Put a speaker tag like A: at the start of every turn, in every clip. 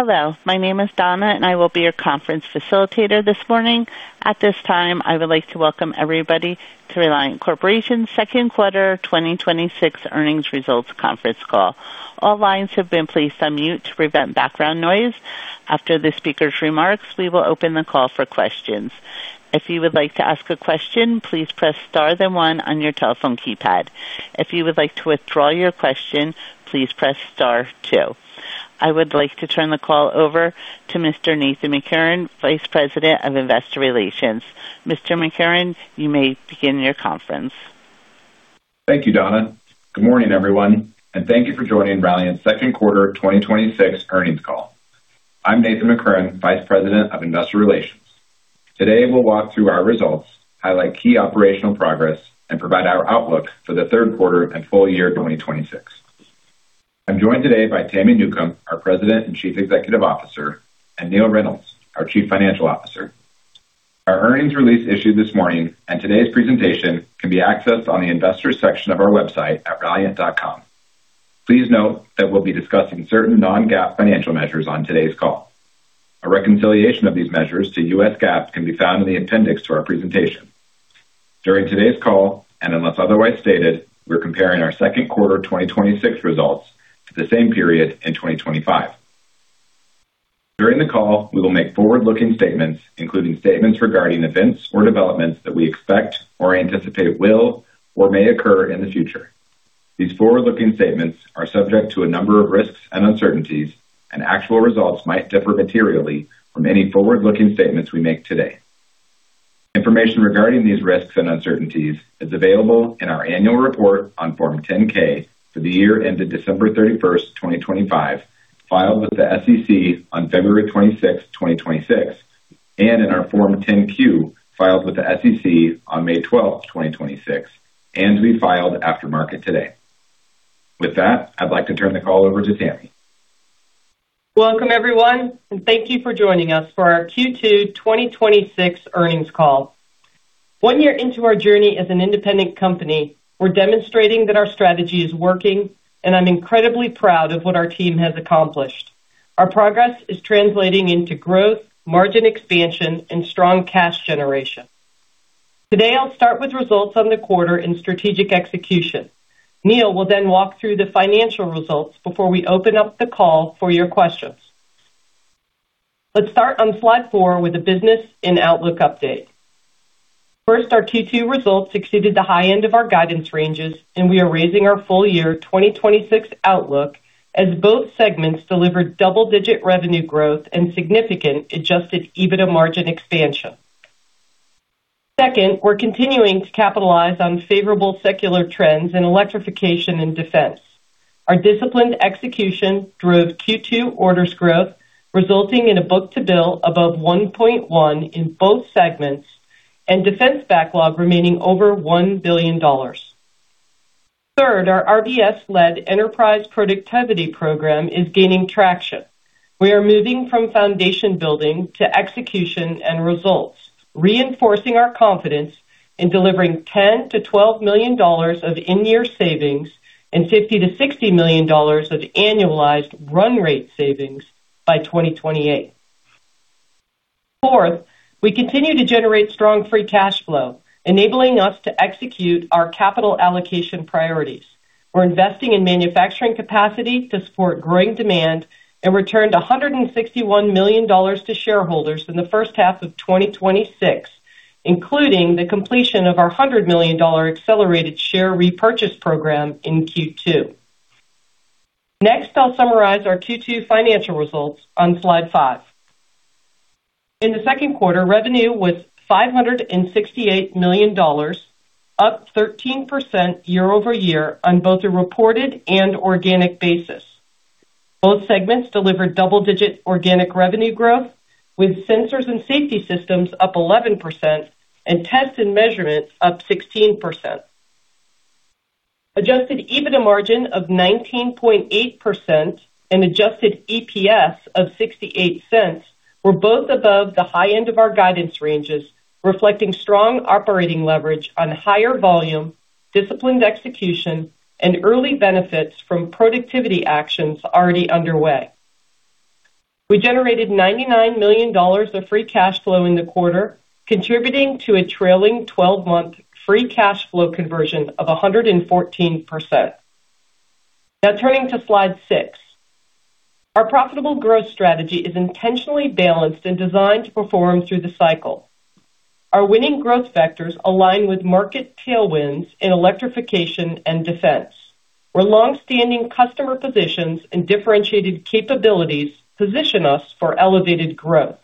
A: Hello, my name is Donna, and I will be your conference facilitator this morning. At this time, I would like to welcome everybody to Ralliant Corporation's second quarter 2026 earnings results conference call. All lines have been placed on mute to prevent background noise. After the speaker's remarks, we will open the call for questions. If you would like to ask a question, please press star then one on your telephone keypad. If you would like to withdraw your question, please press star two. I would like to turn the call over to Mr. Nathan McCurren, Vice President of Investor Relations. Mr. McCurren, you may begin your conference.
B: Thank you, Donna. Good morning, everyone, thank you for joining Ralliant's second quarter 2026 earnings call. I'm Nathan McCurren, Vice President of Investor Relations. Today, we'll walk through our results, highlight key operational progress, and provide our outlook for the third quarter and full year 2026. I'm joined today by Tami Newcombe, our President and Chief Executive Officer, Neill Reynolds, our Chief Financial Officer. Our earnings release issued this morning today's presentation can be accessed on the investors section of our website at ralliant.com. Please note that we'll be discussing certain non-GAAP financial measures on today's call. A reconciliation of these measures to US GAAP can be found in the appendix to our presentation. During today's call, unless otherwise stated, we're comparing our second quarter 2026 results to the same period in 2025. During the call, we will make forward-looking statements, including statements regarding events or developments that we expect or anticipate will or may occur in the future. These forward-looking statements are subject to a number of risks and uncertainties, actual results might differ materially from any forward-looking statements we make today. Information regarding these risks and uncertainties is available in our annual report on Form 10-K for the year ended December 31st, 2025, filed with the SEC on February 26th, 2026, in our Form 10-Q, filed with the SEC on May 12th, 2026, to be filed after market today. With that, I'd like to turn the call over to Tami.
C: Welcome, everyone, thank you for joining us for our Q2 2026 earnings call. One year into our journey as an independent company, we're demonstrating that our strategy is working, I'm incredibly proud of what our team has accomplished. Our progress is translating into growth, margin expansion, and strong cash generation. Today, I'll start with results on the quarter and strategic execution. Neill will then walk through the financial results before we open up the call for your questions. Let's start on slide four with the business and outlook update. First, our Q2 results exceeded the high end of our guidance ranges, we are raising our full year 2026 outlook as both segments delivered double-digit revenue growth and significant adjusted EBITDA margin expansion. Second, we're continuing to capitalize on favorable secular trends in electrification and defense. Our disciplined execution drove Q2 orders growth, resulting in a book-to-bill above 1.1 in both segments and defense backlog remaining over $1 billion. Third, our RBS-led enterprise productivity program is gaining traction. We are moving from foundation building to execution and results, reinforcing our confidence in delivering $10 million-$12 million of in-year savings and $50 million-$60 million of annualized run rate savings by 2028. Fourth, we continue to generate strong free cash flow, enabling us to execute our capital allocation priorities. We are investing in manufacturing capacity to support growing demand and returned $161 million to shareholders in the first half of 2026, including the completion of our $100 million accelerated share repurchase program in Q2. Next, I will summarize our Q2 financial results on slide five. In the second quarter, revenue was $568 million, up 13% year-over-year on both a reported and organic basis. Both segments delivered double-digit organic revenue growth, with Sensors & Safety Systems up 11% and Test & Measurement up 16%. Adjusted EBITDA margin of 19.8% and adjusted EPS of $0.68 were both above the high end of our guidance ranges, reflecting strong operating leverage on higher volume, disciplined execution, and early benefits from productivity actions already underway. We generated $99 million of free cash flow in the quarter, contributing to a trailing 12-month free cash flow conversion of 114%. Turning to slide six. Our profitable growth strategy is intentionally balanced and designed to perform through the cycle. Our winning growth vectors align with market tailwinds in electrification and defense, where longstanding customer positions and differentiated capabilities position us for elevated growth.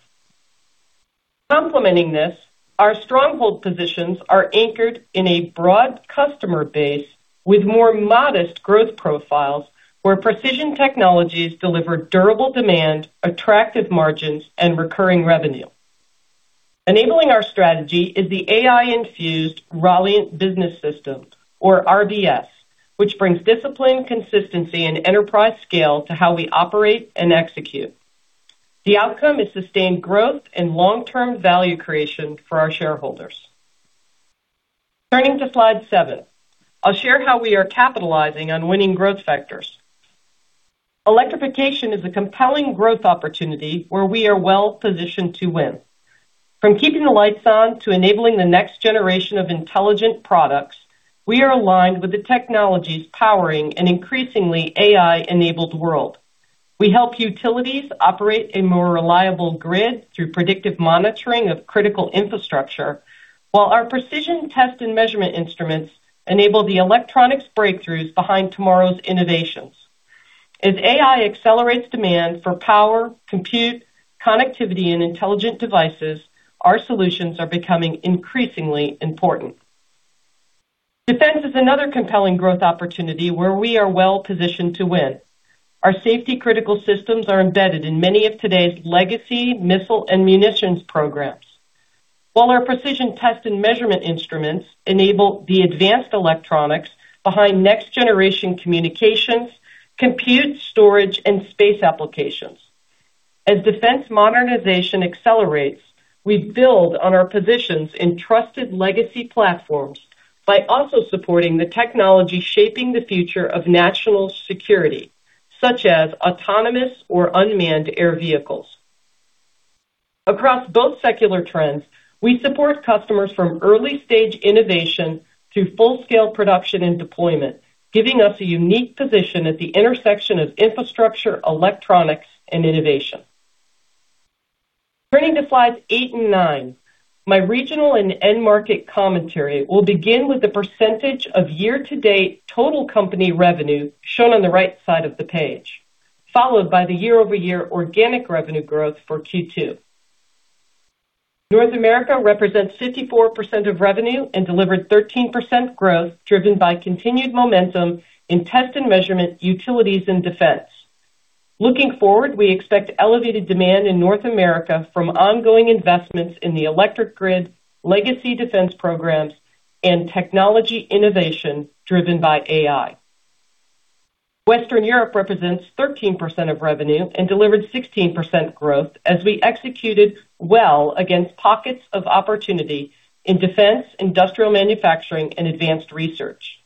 C: Complementing this, our stronghold positions are anchored in a broad customer base with more modest growth profiles where precision technologies deliver durable demand, attractive margins, and recurring revenue. Enabling our strategy is the AI-infused Ralliant Business System, or RBS, which brings discipline, consistency, and enterprise scale to how we operate and execute. The outcome is sustained growth and long-term value creation for our shareholders. Turning to slide seven, I will share how we are capitalizing on winning growth vectors. Electrification is a compelling growth opportunity where we are well-positioned to win. From keeping the lights on to enabling the next generation of intelligent products, we are aligned with the technologies powering an increasingly AI-enabled world. We help utilities operate a more reliable grid through predictive monitoring of critical infrastructure, while our precision Test & Measurement instruments enable the electronics breakthroughs behind tomorrow's innovations. As AI accelerates demand for power, compute, connectivity, and intelligent devices, our solutions are becoming increasingly important. Defense is another compelling growth opportunity where we are well-positioned to win. Our safety-critical systems are embedded in many of today's legacy missile and munitions programs, while our precision Test & Measurement instruments enable the advanced electronics behind next-generation communications, compute, storage, and space applications. As defense modernization accelerates, we build on our positions in trusted legacy platforms by also supporting the technology shaping the future of national security, such as autonomous or unmanned air vehicles. Across both secular trends, we support customers from early-stage innovation through full-scale production and deployment, giving us a unique position at the intersection of infrastructure, electronics, and innovation. Turning to slides eight and nine, my regional and end market commentary will begin with the percentage of year-to-date total company revenue shown on the right side of the page, followed by the year-over-year organic revenue growth for Q2. North America represents 54% of revenue and delivered 13% growth driven by continued momentum in Test & Measurement, utilities, and defense. Looking forward, we expect elevated demand in North America from ongoing investments in the electric grid, legacy defense programs, and technology innovation driven by AI. Western Europe represents 13% of revenue and delivered 16% growth as we executed well against pockets of opportunity in defense, industrial manufacturing, and advanced research.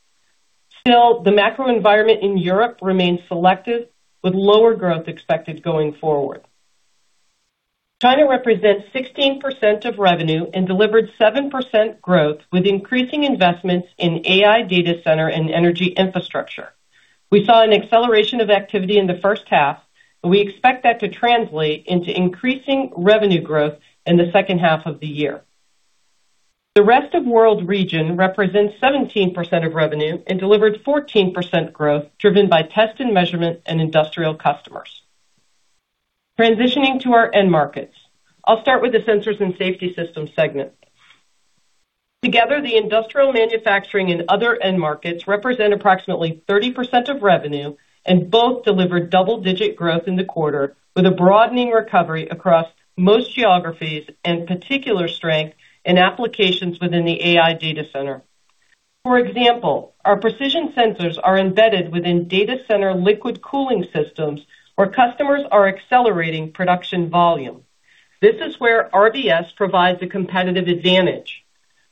C: Still, the macro environment in Europe remains selective with lower growth expected going forward. China represents 16% of revenue and delivered 7% growth with increasing investments in AI data center and energy infrastructure. We saw an acceleration of activity in the first half, and we expect that to translate into increasing revenue growth in the second half of the year. The rest of world region represents 17% of revenue and delivered 14% growth driven by Test & Measurement and industrial customers. Transitioning to our end markets. I'll start with the Sensors & Safety Systems segment. Together, the industrial manufacturing and other end markets represent approximately 30% of revenue and both delivered double-digit growth in the quarter with a broadening recovery across most geographies and particular strength in applications within the AI data center. For example, our precision sensors are embedded within data center liquid cooling systems where customers are accelerating production volume. This is where RBS provides a competitive advantage.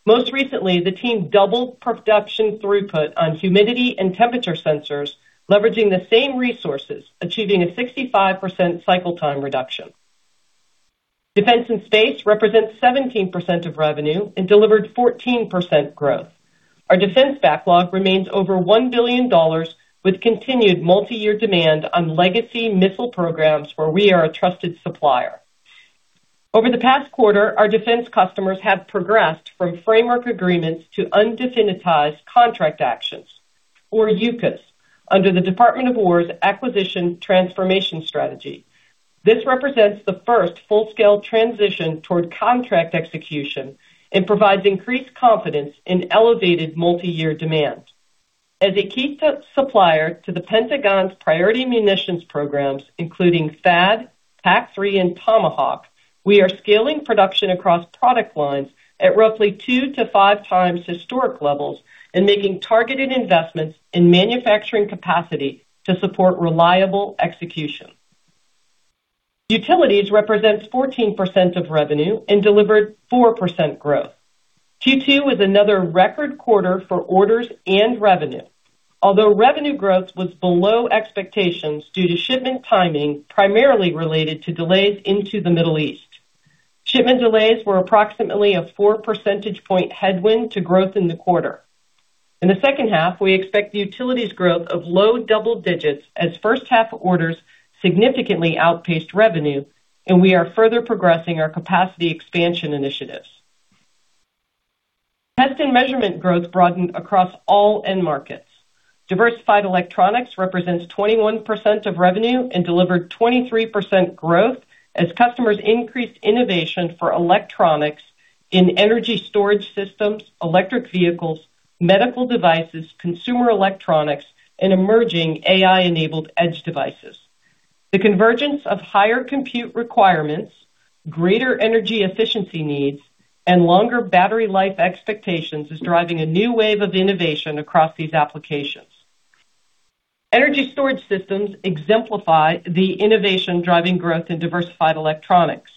C: Most recently, the team doubled production throughput on humidity and temperature sensors, leveraging the same resources, achieving a 65% cycle time reduction. Defense and space represents 17% of revenue and delivered 14% growth. Our defense backlog remains over $1 billion with continued multi-year demand on legacy missile programs where we are a trusted supplier. Over the past quarter, our defense customers have progressed from framework agreements to Undefinitized Contract Actions, or UCAs, under the Department of War's acquisition transformation strategy. This represents the first full-scale transition toward contract execution and provides increased confidence in elevated multi-year demand. As a key supplier to the Pentagon's priority munitions programs, including THAAD, PAC-3, and Tomahawk, we are scaling production across product lines at roughly two to five times historic levels and making targeted investments in manufacturing capacity to support reliable execution. Utilities represents 14% of revenue and delivered 4% growth. Q2 was another record quarter for orders and revenue. Although revenue growth was below expectations due to shipment timing, primarily related to delays into the Middle East. Shipment delays were approximately a 4 percentage point headwind to growth in the quarter. In the second half, we expect utilities growth of low double digits as first half orders significantly outpaced revenue, and we are further progressing our capacity expansion initiatives. Test & Measurement growth broadened across all end markets. Diversified electronics represents 21% of revenue and delivered 23% growth as customers increased innovation for electronics in energy storage systems, electric vehicles, medical devices, consumer electronics, and emerging AI-enabled edge devices. The convergence of higher compute requirements, greater energy efficiency needs, and longer battery life expectations is driving a new wave of innovation across these applications. Energy storage systems exemplify the innovation driving growth in diversified electronics.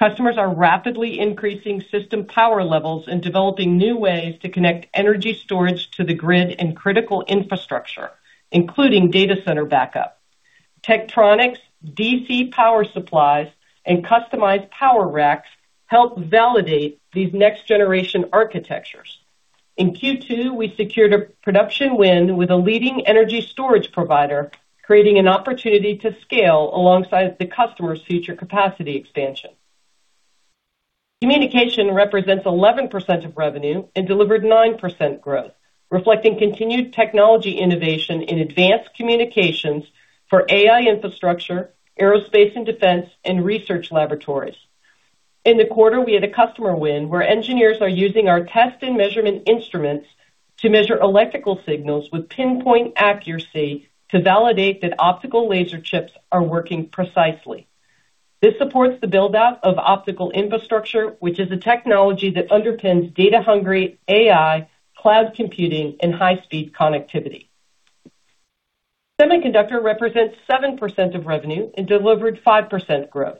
C: Customers are rapidly increasing system power levels and developing new ways to connect energy storage to the grid and critical infrastructure, including data center backup. Tektronix DC power supplies and customized power racks help validate these next-generation architectures. In Q2, we secured a production win with a leading energy storage provider, creating an opportunity to scale alongside the customer's future capacity expansion. Communication represents 11% of revenue and delivered 9% growth, reflecting continued technology innovation in advanced communications for AI infrastructure, aerospace and defense, and research laboratories. In the quarter, we had a customer win where engineers are using our Test & Measurement instruments to measure electrical signals with pinpoint accuracy to validate that optical laser chips are working precisely. This supports the build-out of optical infrastructure, which is a technology that underpins data-hungry AI, cloud computing, and high-speed connectivity. Semiconductor represents 7% of revenue and delivered 5% growth.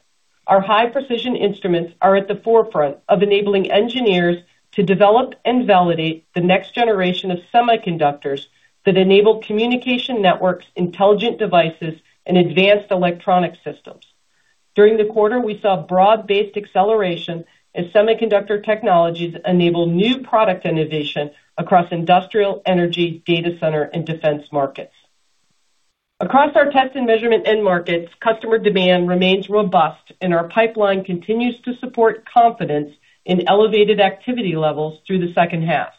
C: Our high-precision instruments are at the forefront of enabling engineers to develop and validate the next generation of semiconductors that enable communication networks, intelligent devices, and advanced electronic systems. During the quarter, we saw broad-based acceleration as semiconductor technologies enabled new product innovation across industrial, energy, data center, and defense markets. Across our Test & Measurement end markets, customer demand remains robust, and our pipeline continues to support confidence in elevated activity levels through the second half.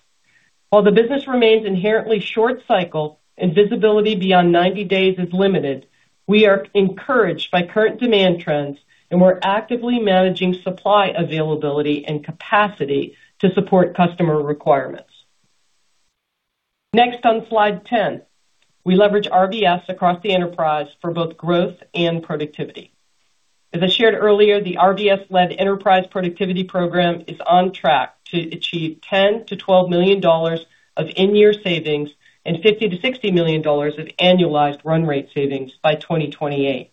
C: While the business remains inherently short cycle and visibility beyond 90 days is limited, we are encouraged by current demand trends, and we're actively managing supply availability and capacity to support customer requirements. Next on slide 10, we leverage RBS across the enterprise for both growth and productivity. As I shared earlier, the RBS-led enterprise productivity program is on track to achieve $10 million-$12 million of in-year savings and $50 million-$60 million of annualized run rate savings by 2028.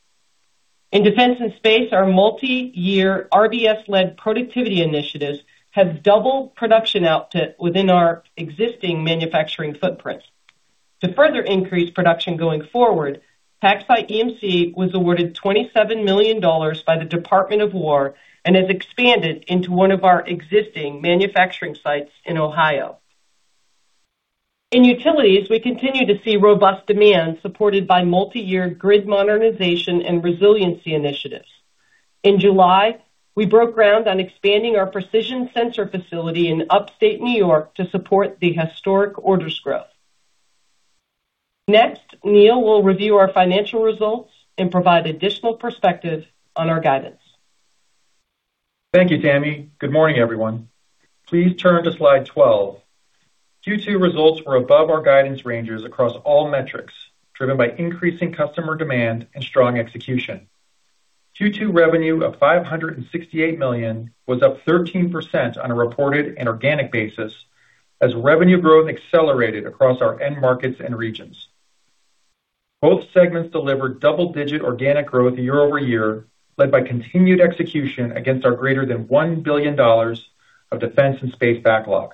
C: In defense and space, our multi-year RBS-led productivity initiatives have doubled production output within our existing manufacturing footprint. To further increase production going forward, PacSci EMC was awarded $27 million by the Department of War and has expanded into one of our existing manufacturing sites in Ohio. In utilities, we continue to see robust demand supported by multi-year grid modernization and resiliency initiatives. In July, we broke ground on expanding our precision sensor facility in Upstate New York to support the historic orders growth. Next, Neill will review our financial results and provide additional perspective on our guidance.
D: Thank you, Tami. Good morning, everyone. Please turn to slide 12. Q2 results were above our guidance ranges across all metrics, driven by increasing customer demand and strong execution. Q2 revenue of $568 million was up 13% on a reported and organic basis as revenue growth accelerated across our end markets and regions. Both segments delivered double-digit organic growth year-over-year, led by continued execution against our greater than $1 billion of defense and space backlog,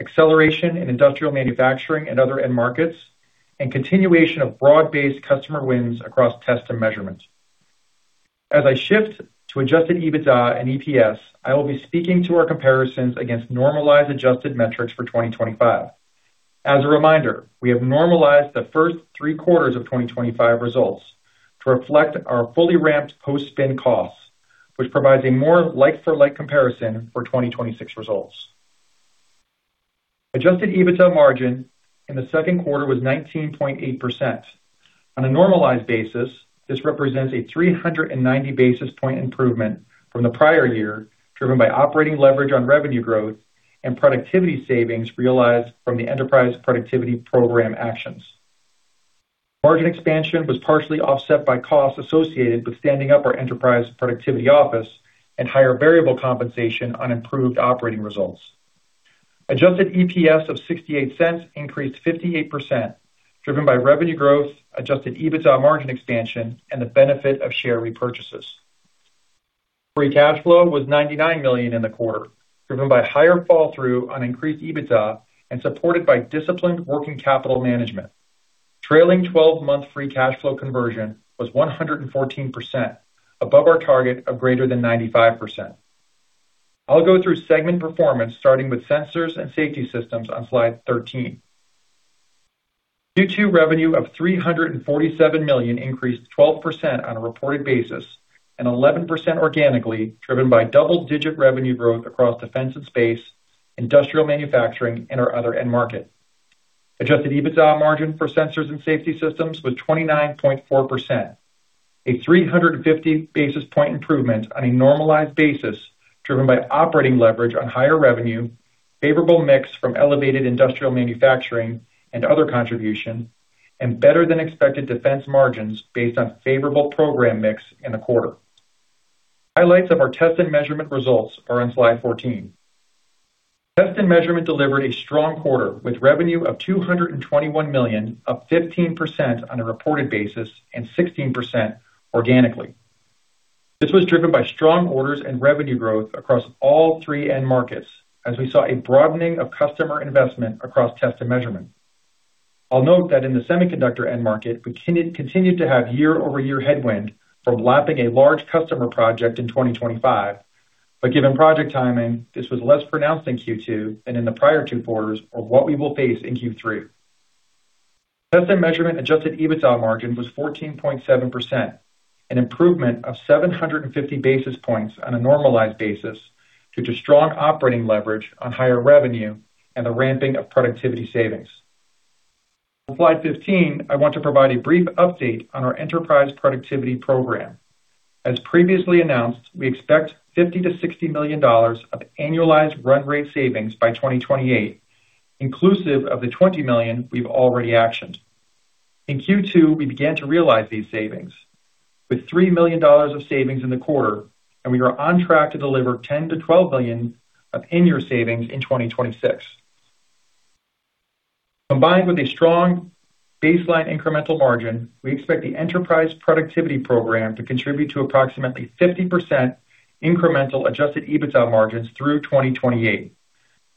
D: acceleration in industrial manufacturing and other end markets, and continuation of broad-based customer wins across Test & Measurement. As I shift to adjusted EBITDA and EPS, I will be speaking to our comparisons against normalized, adjusted metrics for 2025. As a reminder, we have normalized the first three quarters of 2025 results to reflect our fully ramped post-spin costs, which provides a more like-for-like comparison for 2026 results. Adjusted EBITDA margin in the second quarter was 19.8%. On a normalized basis, this represents a 390-basis-point improvement from the prior year, driven by operating leverage on revenue growth and productivity savings realized from the Enterprise Productivity Program actions. Margin expansion was partially offset by costs associated with standing up our enterprise productivity office and higher variable compensation on improved operating results. Adjusted EPS of $0.68 increased 58%, driven by revenue growth, adjusted EBITDA margin expansion, and the benefit of share repurchases. Free cash flow was $99 million in the quarter, driven by higher fall-through on increased EBITDA and supported by disciplined working capital management. Trailing 12-month free cash flow conversion was 114%, above our target of greater than 95%. I'll go through segment performance, starting with Sensors & Safety Systems on slide 13. Q2 revenue of $347 million increased 12% on a reported basis and 11% organically, driven by double-digit revenue growth across defense and space, industrial manufacturing, and our other end markets. Adjusted EBITDA margin for Sensors & Safety Systems was 29.4%, a 350-basis-point improvement on a normalized basis, driven by operating leverage on higher revenue, favorable mix from elevated industrial manufacturing and other contributions, and better-than-expected defense margins based on favorable program mix in the quarter. Highlights of our Test & Measurement results are on slide 14. Test & Measurement delivered a strong quarter with revenue of $221 million, up 15% on a reported basis and 16% organically. This was driven by strong orders and revenue growth across all three end markets, as we saw a broadening of customer investment across Test & Measurement. I'll note that in the semiconductor end market, we continued to have year-over-year headwind from lapping a large customer project in 2025. Given project timing, this was less pronounced in Q2 than in the prior two quarters of what we will face in Q3. Test & Measurement adjusted EBITDA margin was 14.7%, an improvement of 750 basis points on a normalized basis due to strong operating leverage on higher revenue and the ramping of productivity savings. On slide 15, I want to provide a brief update on our Enterprise Productivity Program. As previously announced, we expect $50 million-$60 million of annualized run rate savings by 2028, inclusive of the $20 million we've already actioned. In Q2, we began to realize these savings with $3 million of savings in the quarter, and we are on track to deliver $10 million-$12 million of in-year savings in 2026. Combined with a strong baseline incremental margin, we expect the Enterprise Productivity Program to contribute to approximately 50% incremental adjusted EBITDA margins through 2028.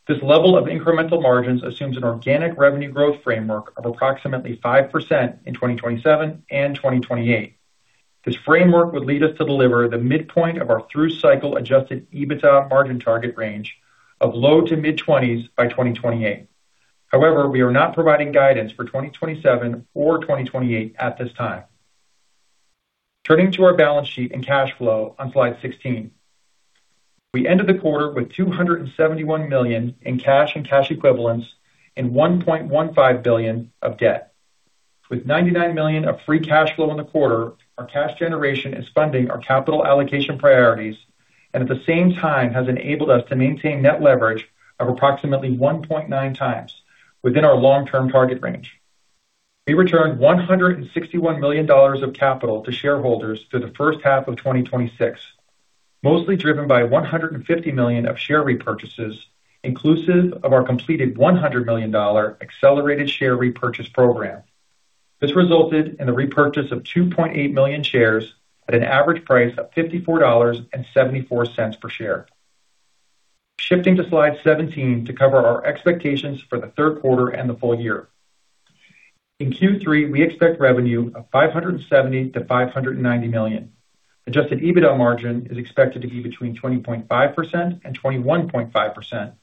D: This level of incremental margins assumes an organic revenue growth framework of approximately 5% in 2027 and 2028. This framework would lead us to deliver the midpoint of our through cycle adjusted EBITDA margin target range of low to mid-20s by 2028. We are not providing guidance for 2027 or 2028 at this time. Turning to our balance sheet and cash flow on slide 16. We ended the quarter with $271 million in cash and cash equivalents and $1.15 billion of debt. With $99 million of free cash flow in the quarter, our cash generation is funding our capital allocation priorities and at the same time has enabled us to maintain net leverage of approximately 1.9x within our long-term target range. We returned $161 million of capital to shareholders through the first half of 2026, mostly driven by $150 million of share repurchases, inclusive of our completed $100 million accelerated share repurchase program. This resulted in the repurchase of 2.8 million shares at an average price of $54.74 per share. Shifting to slide 17 to cover our expectations for the third quarter and the full year. In Q3, we expect revenue of $570 million-$590 million. Adjusted EBITDA margin is expected to be between 20.5% and 21.5%,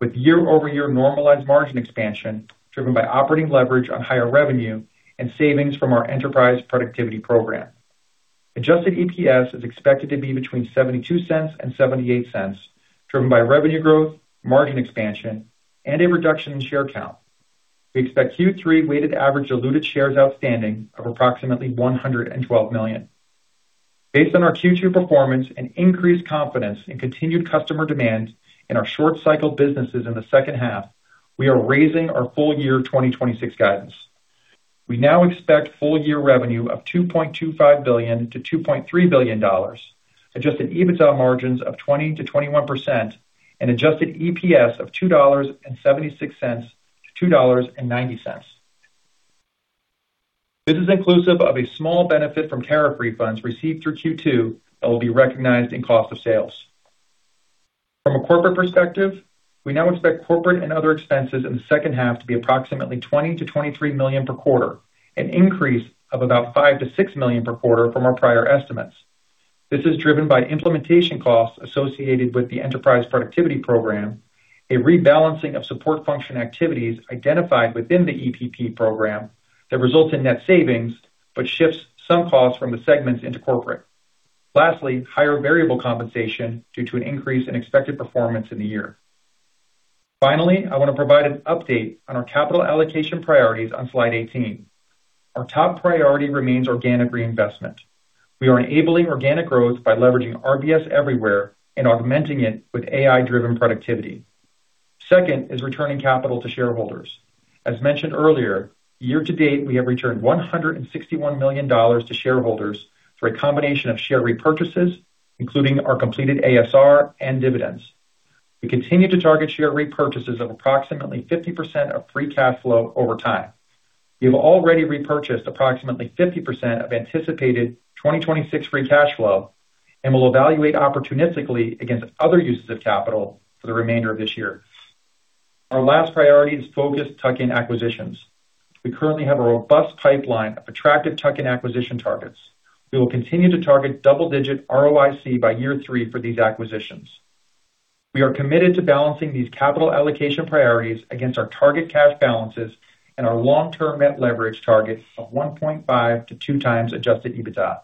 D: with year-over-year normalized margin expansion driven by operating leverage on higher revenue and savings from our Enterprise Productivity Program. Adjusted EPS is expected to be between $0.72 and $0.78, driven by revenue growth, margin expansion, and a reduction in share count. We expect Q3 weighted average diluted shares outstanding of approximately 112 million. Based on our Q2 performance and increased confidence in continued customer demand in our short cycle businesses in the second half, we are raising our full year 2026 guidance. We now expect full year revenue of $2.25 billion-$2.3 billion, Adjusted EBITDA margins of 20%-21%, and Adjusted EPS of $2.76-$2.90. This is inclusive of a small benefit from tariff refunds received through Q2 that will be recognized in cost of sales. From a corporate perspective, we now expect corporate and other expenses in the second half to be approximately $20 million-$23 million per quarter, an increase of about $5 million-$6 million per quarter from our prior estimates. This is driven by implementation costs associated with the Enterprise Productivity Program, a rebalancing of support function activities identified within the EPP program that results in net savings but shifts some costs from the segments into corporate. Lastly, higher variable compensation due to an increase in expected performance in the year. Finally, I want to provide an update on our capital allocation priorities on slide 18. Our top priority remains organic reinvestment. We are enabling organic growth by leveraging RBS everywhere and augmenting it with AI-driven productivity. Second is returning capital to shareholders. As mentioned earlier, year to date, we have returned $161 million to shareholders through a combination of share repurchases, including our completed ASR and dividends. We continue to target share repurchases of approximately 50% of free cash flow over time. We have already repurchased approximately 50% of anticipated 2026 free cash flow and will evaluate opportunistically against other uses of capital for the remainder of this year. Our last priority is focused tuck-in acquisitions. We currently have a robust pipeline of attractive tuck-in acquisition targets. We will continue to target double-digit ROIC by year three for these acquisitions. We are committed to balancing these capital allocation priorities against our target cash balances and our long-term net leverage target of 1.5x-2x adjusted EBITDA.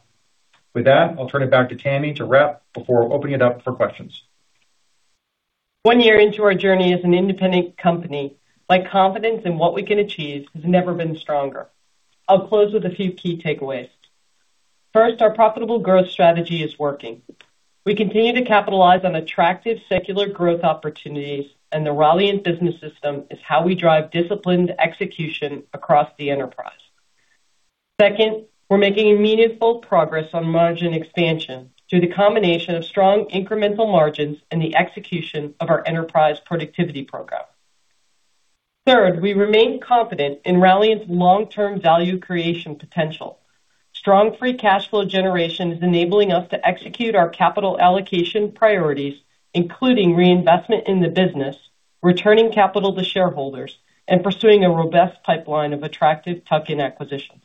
D: With that, I'll turn it back to Tami to wrap before opening it up for questions.
C: One year into our journey as an independent company, my confidence in what we can achieve has never been stronger. I'll close with a few key takeaways. First, our profitable growth strategy is working. We continue to capitalize on attractive secular growth opportunities, and the Ralliant Business System is how we drive disciplined execution across the enterprise. Second, we're making meaningful progress on margin expansion through the combination of strong incremental margins and the execution of our enterprise productivity program. Third, we remain confident in Ralliant's long-term value creation potential. Strong free cash flow generation is enabling us to execute our capital allocation priorities, including reinvestment in the business, returning capital to shareholders, and pursuing a robust pipeline of attractive tuck-in acquisitions.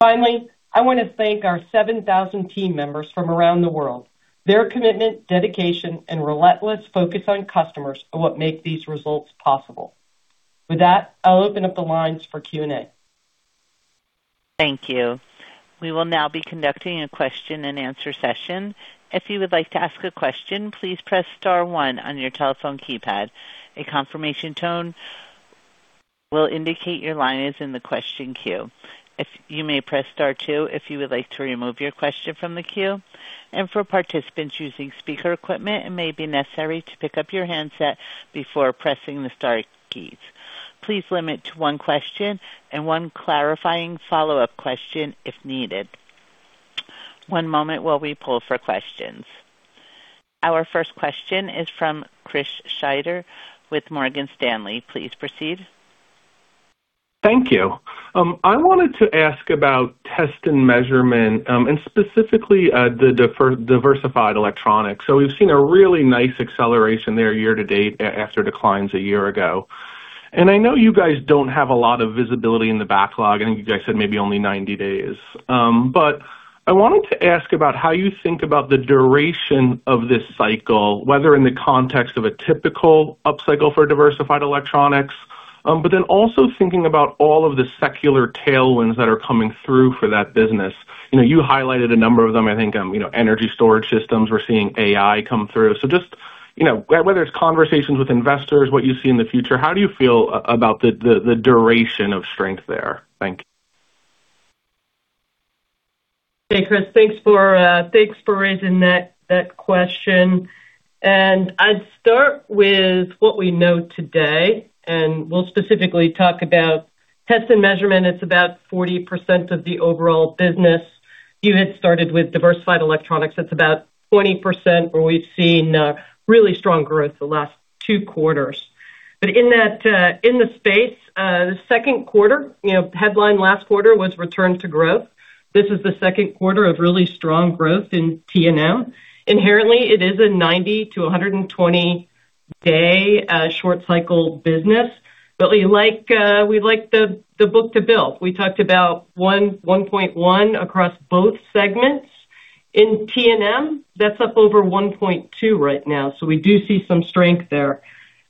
C: Finally, I want to thank our 7,000 team members from around the world. Their commitment, dedication, and relentless focus on customers are what make these results possible. With that, I'll open up the lines for Q&A.
A: Thank you. We will now be conducting a question and answer session. If you would like to ask a question, please press star one on your telephone keypad. A confirmation tone will indicate your line is in the question queue. You may press star two if you would like to remove your question from the queue. For participants using speaker equipment, it may be necessary to pick up your handset before pressing the star keys. Please limit to one question and one clarifying follow-up question if needed. One moment while we pull for questions. Our first question is from Chris Snyder with Morgan Stanley. Please proceed.
E: Thank you. I wanted to ask about Test & Measurement, and specifically the diversified electronics. We've seen a really nice acceleration there year-to-date after declines a year ago. I know you guys don't have a lot of visibility in the backlog, I think you guys said maybe only 90 days. I wanted to ask about how you think about the duration of this cycle, whether in the context of a typical upcycle for diversified electronics? Then also thinking about all of the secular tailwinds that are coming through for that business. You highlighted a number of them. I think energy storage systems, we're seeing AI come through. Just whether it's conversations with investors, what you see in the future, how do you feel about the duration of strength there? Thank you.
C: Hey, Chris. I'd start with what we know today, and we'll specifically talk about Test & Measurement. It's about 40% of the overall business. You had started with diversified electronics. That's about 20% where we've seen really strong growth the last two quarters. But in the space, the second quarter, headline last quarter was return to growth. This is the second quarter of really strong growth in T&M. Inherently, it is a 90-120-day short-cycle business. But we like the book-to-bill. We talked about 1.1 across both segments. In T&M, that's up over 1.2 right now, so we do see some strength there.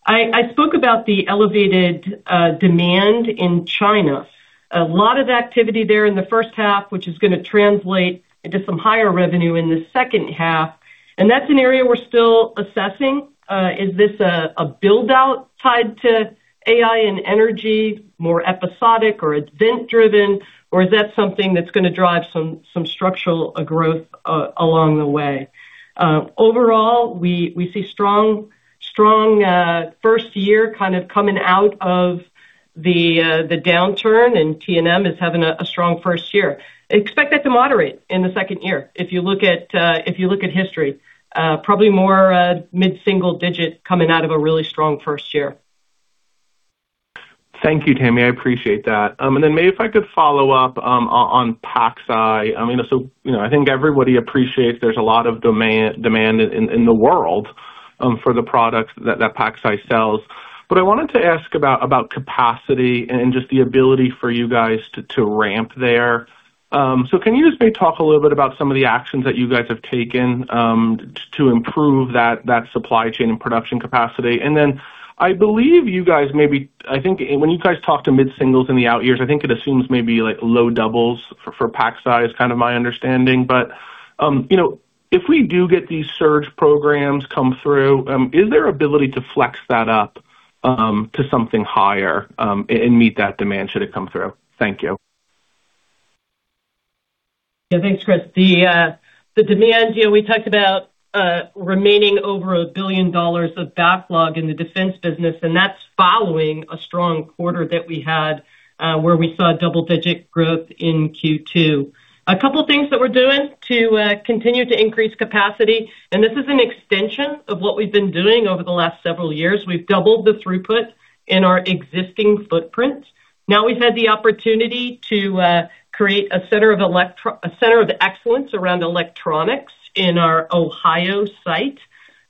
C: I spoke about the elevated demand in China. A lot of activity there in the first half, which is going to translate into some higher revenue in the second half, and that's an area we're still assessing. Is this a build-out tied to AI and energy, more episodic or event-driven, or is that something that's going to drive some structural growth along the way? Overall, we see strong first year kind of coming out of the downturn. T&M is having a strong first year. Expect that to moderate in the second year. If you look at history, probably more mid-single-digit coming out of a really strong first year.
E: Thank you, Tami. I appreciate that. Maybe if I could follow up on PacSci. I think everybody appreciates there's a lot of demand in the world for the products that PacSci sells. But I wanted to ask about capacity and just the ability for you guys to ramp there. Can you just maybe talk a little bit about some of the actions that you guys have taken to improve that supply chain and production capacity? I believe you guys maybe, I think when you guys talk to mid-singles in the out years, I think it assumes maybe like low doubles for PacSci is kind of my understanding. But if we do get these surge programs come through, is there ability to flex that up to something higher and meet that demand should it come through? Thank you.
C: Yeah, thanks, Chris. The demand, we talked about remaining over $1 billion of backlog in the defense business, and that's following a strong quarter that we had, where we saw double-digit growth in Q2. A couple things that we're doing to continue to increase capacity, and this is an extension of what we've been doing over the last several years. We've doubled the throughput in our existing footprint. Now we've had the opportunity to create a center of excellence around electronics in our Ohio site.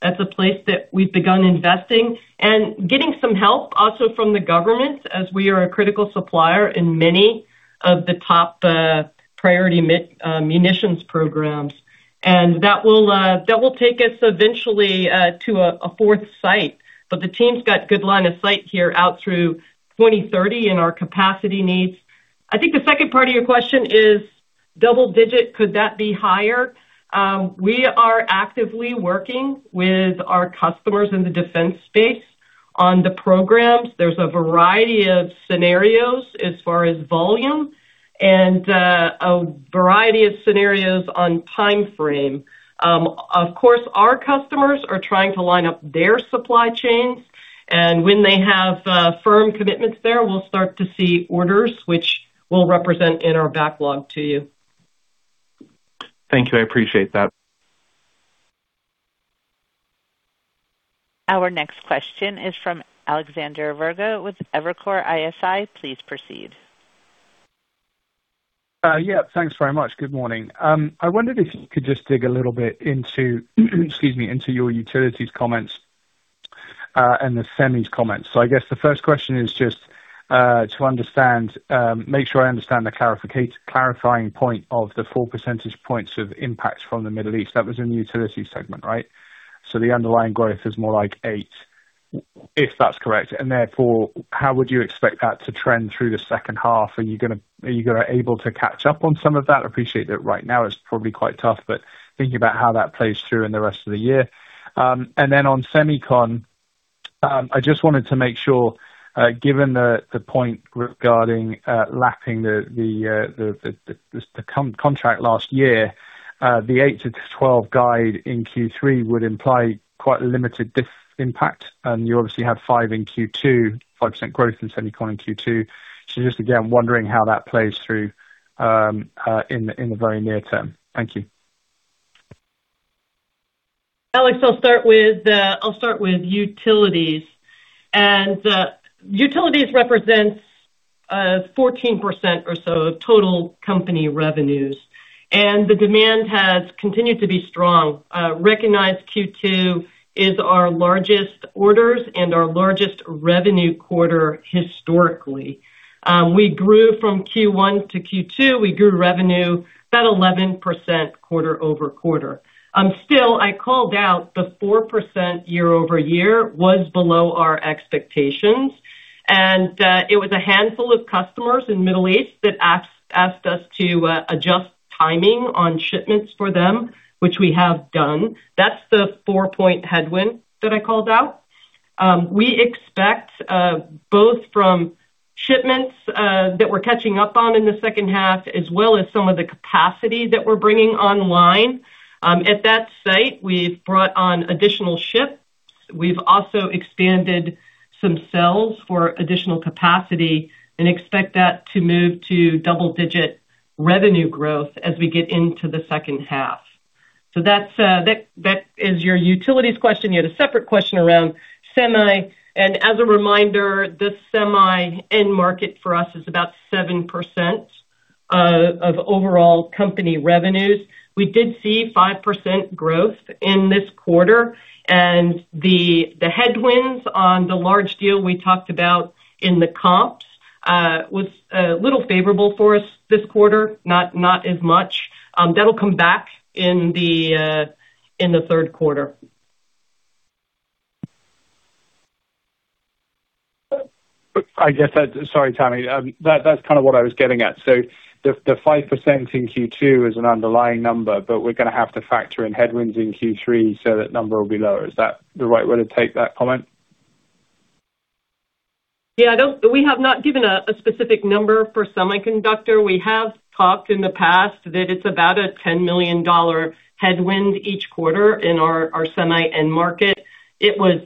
C: That's a place that we've begun investing and getting some help also from the government, as we are a critical supplier in many of the top priority munitions programs. That will take us eventually to a fourth site. But the team's got good line of sight here out through 2030 in our capacity needs. I think the second part of your question is double-digit, could that be higher? We are actively working with our customers in the defense space on the programs. There's a variety of scenarios as far as volume. A variety of scenarios on timeframe. Of course, our customers are trying to line up their supply chains, and when they have firm commitments there, we'll start to see orders, which we'll represent in our backlog to you.
E: Thank you. I appreciate that.
A: Our next question is from Alexander Virgo with Evercore ISI. Please proceed.
F: Yeah. Thanks very much. Good morning. I wondered if you could just dig a little bit into your utilities comments, the semis comments. I guess the first question is just to make sure I understand the clarifying point of the 4 percentage points of impact from the Middle East. That was in the utility segment, right? The underlying growth is more like eight, if that's correct. Therefore, how would you expect that to trend through the second half? Are you going to able to catch up on some of that? I appreciate that right now it's probably quite tough, but thinking about how that plays through in the rest of the year. Then on semicon, I just wanted to make sure, given the point regarding lapping the contract last year, the 8-12 guide in Q3 would imply quite a limited diff impact. You obviously had 5% in Q2, 5% growth in semicon in Q2. Just again, wondering how that plays through in the very near term? Thank you.
C: Alex, I'll start with utilities. Utilities represents 14% or so of total company revenues, the demand has continued to be strong. Recognize Q2 is our largest orders and our largest revenue quarter historically. We grew from Q1 to Q2. We grew revenue about 11% quarter-over-quarter. Still, I called out the 4% year-over-year was below our expectations. It was a handful of customers in Middle East that asked us to adjust timing on shipments for them, which we have done. That's the four-point headwind that I called out. We expect, both from shipments that we're catching up on in the second half, as well as some of the capacity that we're bringing online. At that site, we've brought on additional shifts. We've also expanded some cells for additional capacity, expect that to move to double-digit revenue growth as we get into the second half. That is your utilities question. You had a separate question around semi, as a reminder, the semi end market for us is about 7% of overall company revenues. We did see 5% growth in this quarter, the headwinds on the large deal we talked about in the comps, was a little favorable for us this quarter, not as much. That'll come back in the third quarter.
F: I guess sorry, Tami. That's kind of what I was getting at. The 5% in Q2 is an underlying number, we're going to have to factor in headwinds in Q3, that number will be lower. Is that the right way to take that comment?
C: Yeah. We have not given a specific number for semiconductor. We have talked in the past that it's about a $10 million headwind each quarter in our semi-end market. It was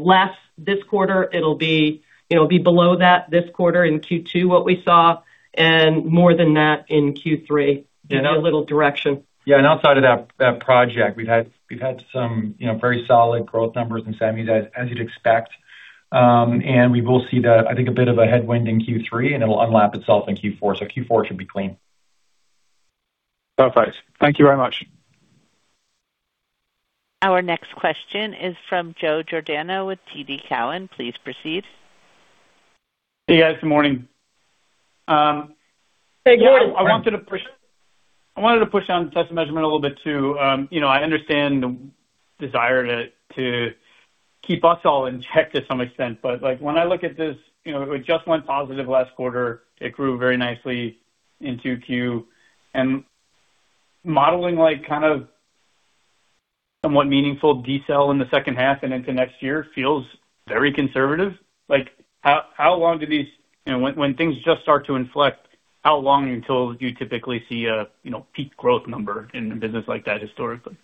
C: less this quarter. It'll be below that this quarter in Q2, what we saw, and more than that in Q3. Give you a little direction.
D: Yeah, outside of that project, we've had some very solid growth numbers in semis, as you'd expect. We will see that, I think, a bit of a headwind in Q3, and it'll unlap itself in Q4. Q4 should be clean.
F: Perfect. Thank you very much.
A: Our next question is from Joe Giordano with TD Cowen. Please proceed.
G: Hey, guys. Good morning.
C: Hey, Joe.
G: I wanted to push on Test & Measurement a little bit too. I understand the desire to keep us all in check to some extent. When I look at this, it just went positive last quarter. It grew very nicely in 2Q. Modeling kind of somewhat meaningful detail in the second half and into next year feels very conservative. When things just start to inflect, how long until you typically see a peak growth number in a business like that historically?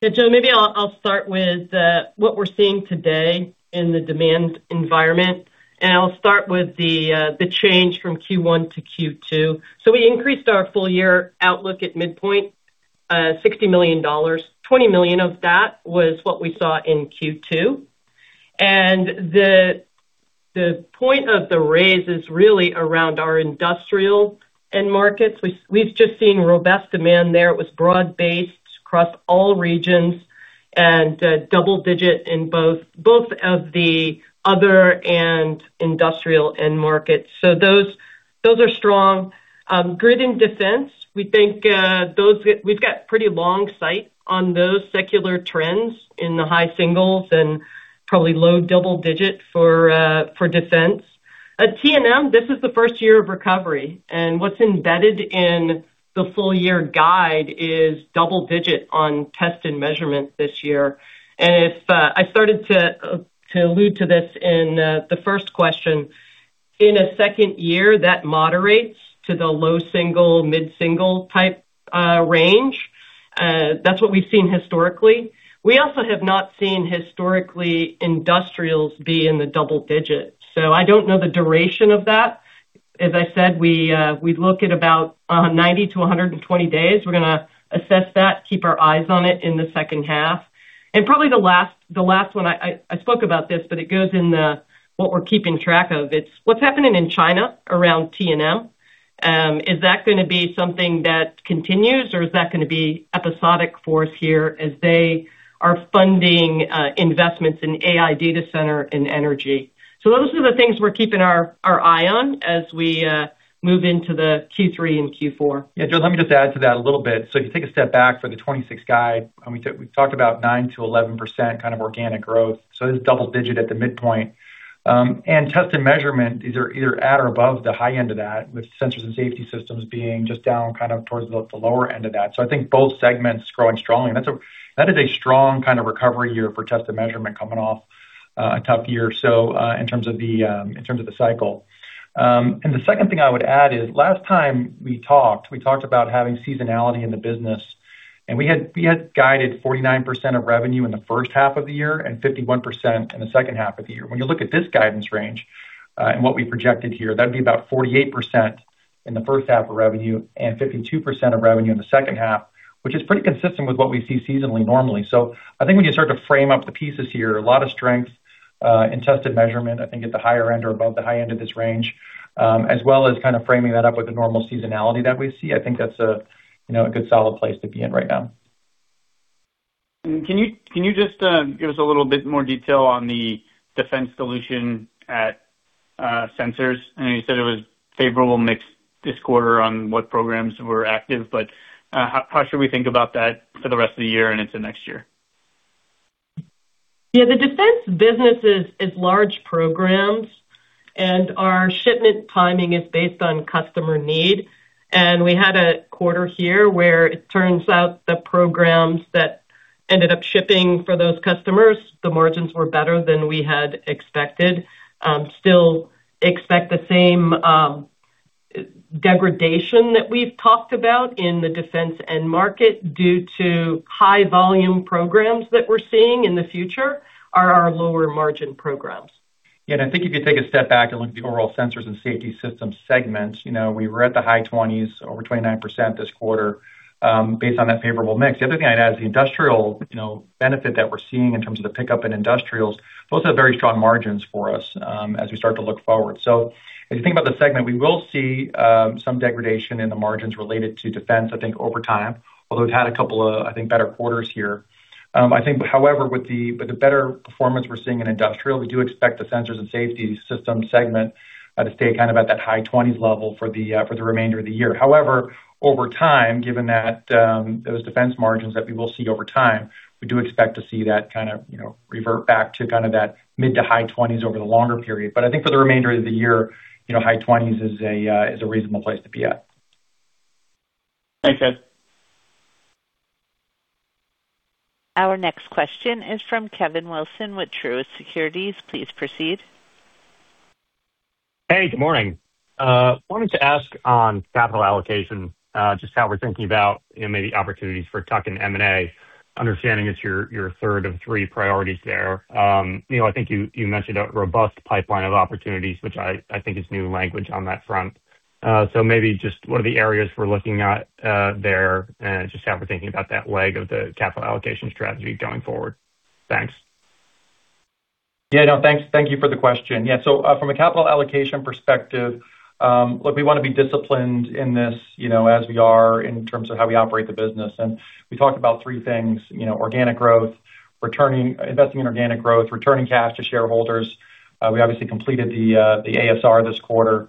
C: Yeah, Joe, maybe I'll start with what we're seeing today in the demand environment. I'll start with the change from Q1 to Q2. We increased our full-year outlook at midpoint, $60 million. $20 million of that was what we saw in Q2. The point of the raise is really around our industrial end markets. We've just seen robust demand there. It was broad-based across all regions and double digit in both of the other and industrial end markets. Those are strong. Grid and defense, we think we've got pretty long sight on those secular trends in the high singles and probably low double digits for defense. At T&M, this is the first year of recovery, and what's embedded in the full-year guide is double-digit on Test & Measurement this year. I started to allude to this in the first question. In a second year, that moderates to the low-single, mid-single type range. That's what we've seen historically. We also have not seen historically industrials be in the double digits. I don't know the duration of that. As I said, we look at about 90-120 days. We're going to assess that, keep our eyes on it in the second half. Probably the last one, I spoke about this, but it goes in what we're keeping track of. It's what's happening in China around T&M. Is that going to be something that continues or is that going to be episodic for us here as they are funding investments in AI data center and energy? Those are the things we're keeping our eye on as we move into the Q3 and Q4.
D: Joe, let me just add to that a little bit. If you take a step back for the 2026 guide, we talked about 9%-11% kind of organic growth. This is double digit at the midpoint. Test & Measurement, these are either at or above the high end of that, with Sensors & Safety Systems being just down kind of towards the lower end of that. I think both segments growing strongly. That is a strong kind of recovery year for Test & Measurement coming off a tough year in terms of the cycle. The second thing I would add is last time we talked, we talked about having seasonality in the business, and we had guided 49% of revenue in the first half of the year and 51% in the second half of the year. When you look at this guidance range, and what we projected here, that'd be about 48% in the first half of revenue and 52% of revenue in the second half, which is pretty consistent with what we see seasonally normally. I think when you start to frame up the pieces here, a lot of strength in Test & Measurement, I think at the higher end or above the high end of this range, as well as kind of framing that up with the normal seasonality that we see. I think that's a good solid place to be in right now.
G: Can you just give us a little bit more detail on the defense solution at Sensors? I know you said it was favorable mix this quarter on what programs were active. How should we think about that for the rest of the year and into next year?
C: Yeah, the defense business is large programs, our shipment timing is based on customer need. We had a quarter here where it turns out the programs that ended up shipping for those customers, the margins were better than we had expected. Still expect the same degradation that we've talked about in the defense end market due to high-volume programs that we're seeing in the future are our lower-margin programs.
D: Yeah, I think if you take a step back and look at the overall Sensors & Safety Systems segments, we were at the high 20s, over 29% this quarter, based on that favorable mix. The other thing I'd add is the industrial benefit that we're seeing in terms of the pickup in industrials, those are very strong margins for us as we start to look forward. If you think about the segment, we will see some degradation in the margins related to defense, I think, over time, although we've had a couple of, I think, better quarters here. I think, however, with the better performance we're seeing in industrial, we do expect the Sensors & Safety Systems segment to stay kind of at that high 20s level for the remainder of the year. Over time, given those defense margins that we will see over time, we do expect to see that kind of revert back to kind of that mid-to-high 20s over the longer period. I think for the remainder of the year, high 20s is a reasonable place to be at.
G: Thanks, Neill.
A: Our next question is from Kevin Wilson with Truist Securities. Please proceed.
H: Hey, good morning. Wanted to ask on capital allocation, just how we're thinking about maybe opportunities for tuck-in M&A, understanding it's your third of three priorities there. Neill, I think you mentioned a robust pipeline of opportunities, which I think is new language on that front. Maybe just what are the areas we're looking at there, and just how we're thinking about that leg of the capital allocation strategy going forward? Thanks.
D: Thank you for the question. From a capital allocation perspective, look, we want to be disciplined in this, as we are in terms of how we operate the business. We talked about three things: investing in organic growth, returning cash to shareholders. We obviously completed the ASR this quarter,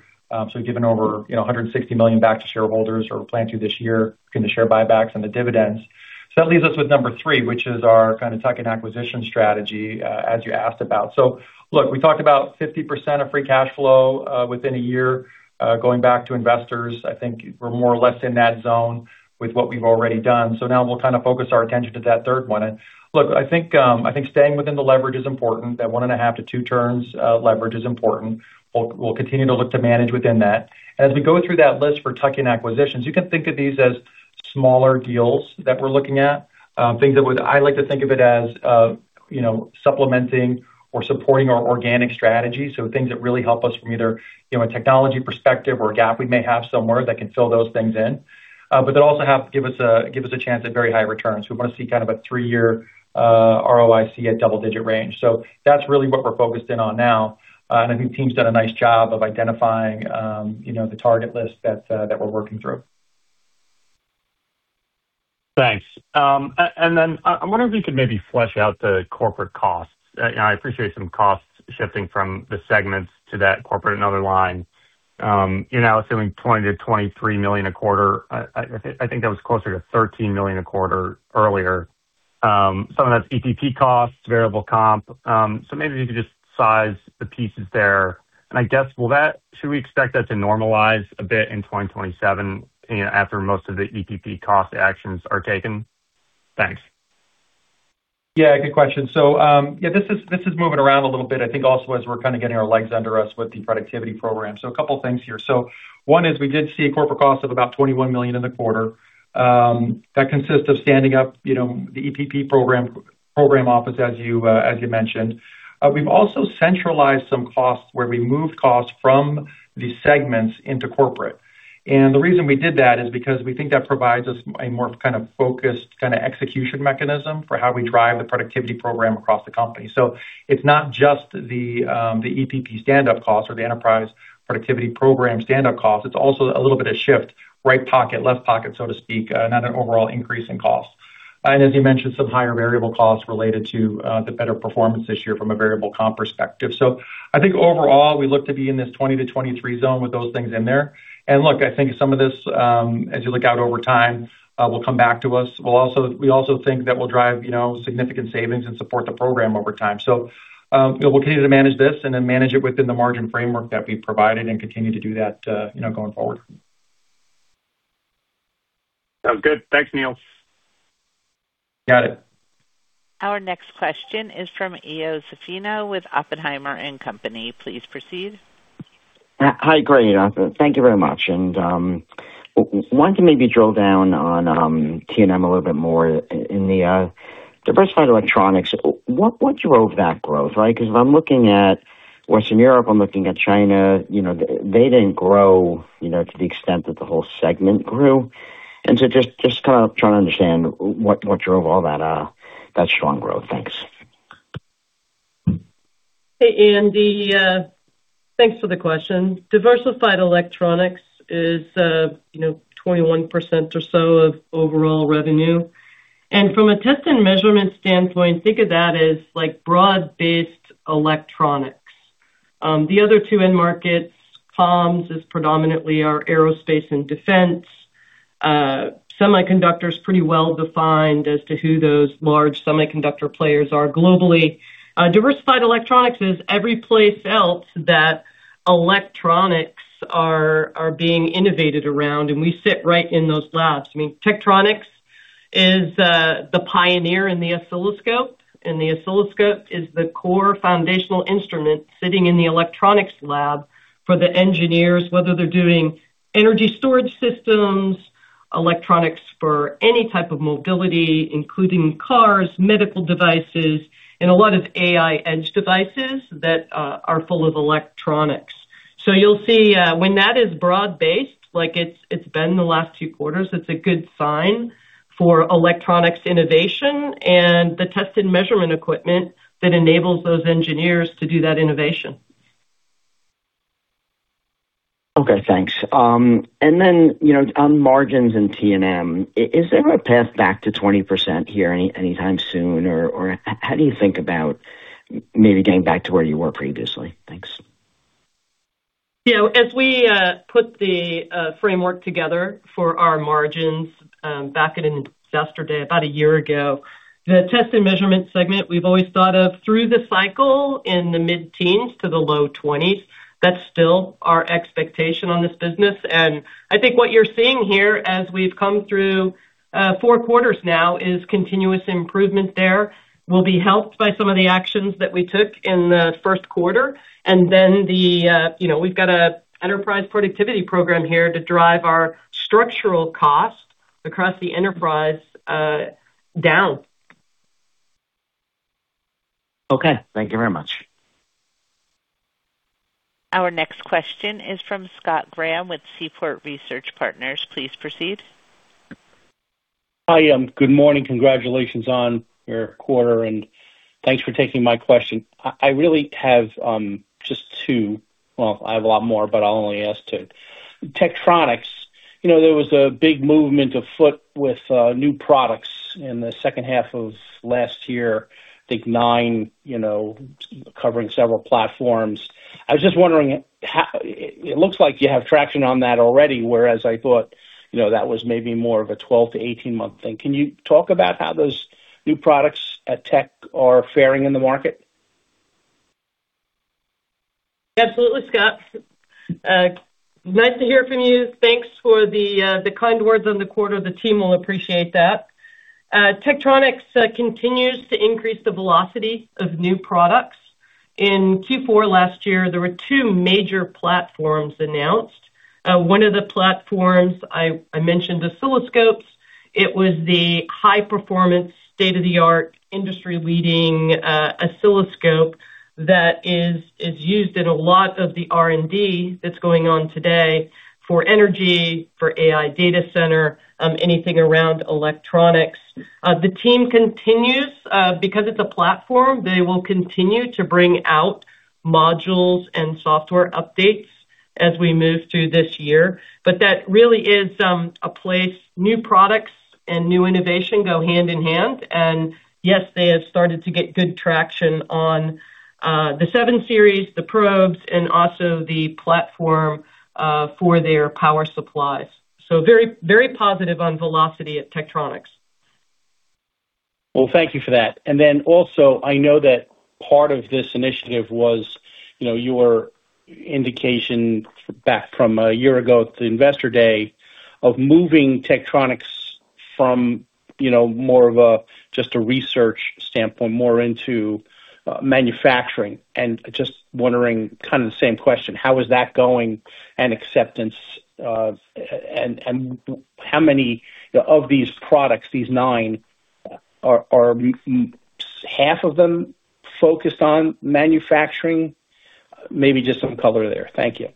D: given over $160 million back to shareholders or plan to this year in the share buybacks and the dividends. That leaves us with number three, which is our kind of tuck-in acquisition strategy, as you asked about. Look, I think staying within the leverage is important. That 1.2 to two turns leverage is important. We'll continue to look to manage within that. As we go through that list for tuck-in acquisitions, you can think of these as smaller deals that we're looking at. I like to think of it as supplementing or supporting our organic strategy. Things that really help us from either a technology perspective or a gap we may have somewhere that can fill those things in. That also have to give us a chance at very high returns. We want to see kind of a three-year ROIC at double-digit range. That's really what we're focused in on now. I think the team's done a nice job of identifying the target list that we're working through.
H: Thanks. I wonder if you could maybe flesh out the corporate costs. I appreciate some costs shifting from the segments to that corporate and other line. You're now assuming $20 million-$23 million a quarter. I think that was closer to $13 million a quarter earlier. Some of that's EPP costs, variable comp. Maybe if you could just size the pieces there. I guess, should we expect that to normalize a bit in 2027 after most of the EPP cost actions are taken? Thanks.
D: Yeah, good question. This is moving around a little bit, I think also as we're kind of getting our legs under us with the productivity program. A couple of things here. One is we did see a corporate cost of about $21 million in the quarter. That consists of standing up the EPP program office, as you mentioned. We've also centralized some costs where we moved costs from the segments into corporate. The reason we did that is because we think that provides us a more kind of focused kind of execution mechanism for how we drive the productivity program across the company. It's not just the EPP standup cost or the enterprise productivity program standup cost, it's also a little bit of shift, right pocket, left pocket, so to speak, not an overall increase in cost. As you mentioned, some higher variable costs related to the better performance this year from a variable comp perspective. I think overall, we look to be in this 20-23 zone with those things in there. Look, I think some of this, as you look out over time, will come back to us. We also think that we'll drive significant savings and support the program over time. We'll continue to manage this, manage it within the margin framework that we've provided and continue to do that going forward.
H: Sounds good. Thanks, Neill.
D: Got it.
A: Our next question is from Ian Zaffino with Oppenheimer & Company. Please proceed.
I: Hi, great. Thank you very much. Wanted to maybe drill down on T&M a little bit more in the diversified electronics. What drove that growth, right? Because if I'm looking at Western Europe, I'm looking at China, they didn't grow to the extent that the whole segment grew. Just trying to understand what drove all that strong growth. Thanks.
C: Hey, Ian. Thanks for the question. Diversified electronics is 21% or so of overall revenue. From a Test & Measurement standpoint, think of that as broad-based electronics. The other two end markets, comms is predominantly our aerospace and defense. Semiconductor is pretty well-defined as to who those large semiconductor players are globally. Diversified electronics is every place else that electronics are being innovated around, and we sit right in those labs. I mean, Tektronix is the pioneer in the oscilloscope, and the oscilloscope is the core foundational instrument sitting in the electronics lab for the engineers, whether they're doing energy storage systems, electronics for any type of mobility, including cars, medical devices, and a lot of AI edge devices that are full of electronics. You'll see when that is broad-based, like it's been the last two quarters, it's a good sign for electronics innovation and the Test & Measurement equipment that enables those engineers to do that innovation.
I: Okay, thanks. Then on margins and T&M, is there a path back to 20% here any time soon, or how do you think about maybe getting back to where you were previously? Thanks.
C: As we put the framework together for our margins back at Investor Day about a year ago, the Test & Measurement segment we've always thought of through the cycle in the mid-teens to the low 20s. That's still our expectation on this business. I think what you're seeing here as we've come through four quarters now is continuous improvement there. We'll be helped by some of the actions that we took in the first quarter, then we've got an Enterprise Productivity Program here to drive our structural cost across the enterprise down.
I: Okay. Thank you very much.
A: Our next question is from Scott Graham with Seaport Research Partners. Please proceed.
J: Hi. Good morning. Congratulations on your quarter, and thanks for taking my question. I really have just two. Well, I have a lot more, but I'll only ask two. Tektronix, there was a big movement afoot with new products in the second half of last year, I think nine, covering several platforms. I was just wondering, it looks like you have traction on that already, whereas I thought that was maybe more of a 12-18-month thing. Can you talk about how those new products at Tech are faring in the market?
C: Absolutely, Scott. Nice to hear from you. Thanks for the kind words on the quarter. The team will appreciate that. Tektronix continues to increase the velocity of new products. In Q4 last year, there were two major platforms announced. One of the platforms I mentioned, oscilloscopes. It was the high-performance, state-of-the-art, industry-leading oscilloscope that is used in a lot of the R&D that's going on today for energy, for AI data center, anything around electronics. Because it's a platform, they will continue to bring out modules and software updates as we move through this year. That really is a place new products and new innovation go hand in hand. Yes, they have started to get good traction on the 7 Series, the probes, and also the platform for their power supplies. Very positive on velocity at Tektronix.
J: Well, thank you for that. Also, I know that part of this initiative was your indication back from a year ago at the Investor Day of moving Tektronix from more of just a research standpoint, more into manufacturing, and just wondering kind of the same question, how is that going and acceptance? How many of these products, these nine, are half of them focused on manufacturing? Maybe just some color there. Thank you.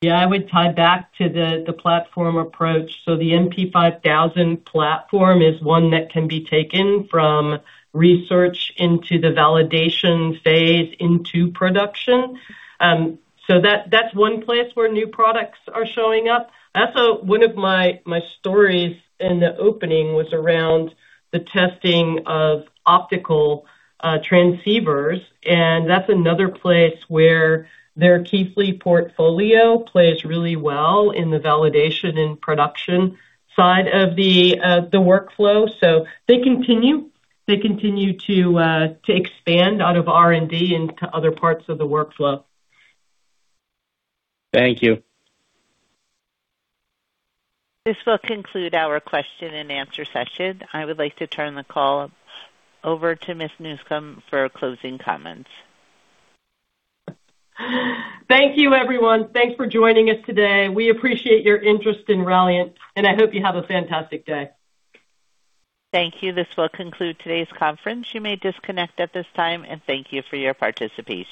C: Yeah, I would tie back to the platform approach. The MP5000 platform is one that can be taken from research into the validation phase into production. That's one place where new products are showing up. One of my stories in the opening was around the testing of optical transceivers, and that's another place where their Keithley portfolio plays really well in the validation and production side of the workflow. They continue to expand out of R&D into other parts of the workflow.
J: Thank you.
A: This will conclude our question and answer session. I would like to turn the call over to Ms. Newcombe for closing comments.
C: Thank you, everyone. Thanks for joining us today. We appreciate your interest in Ralliant, and I hope you have a fantastic day.
A: Thank you. This will conclude today's conference. You may disconnect at this time, and thank you for your participation.